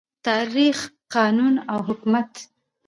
تاریخ، قانون او حکومت